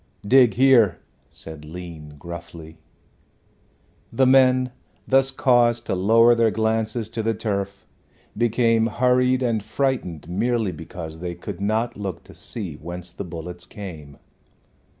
"Dig here," said Lean gruffly. The men, thus caused to lower their glances to the turf, became hurried and frightened merely because they could not look to see whence the bullets came.